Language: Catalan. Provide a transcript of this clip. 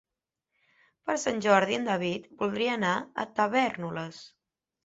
Per Sant Jordi en David voldria anar a Tavèrnoles.